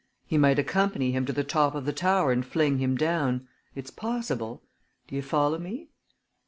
He might accompany him to the top of the tower and fling him down. It's possible. Do you follow me?"